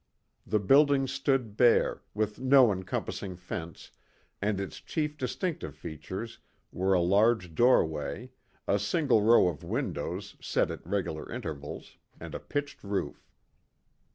The building stood bare, with no encompassing fence, and its chief distinctive features were a large doorway, a single row of windows set at regular intervals, and a pitched roof.